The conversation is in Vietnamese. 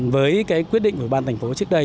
với cái quyết định của ban thành phố trước đây